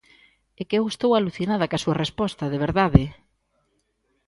¡É que eu estou alucinada coa súa resposta, de verdade!